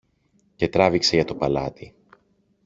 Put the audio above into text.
και τράβηξε για το παλάτι.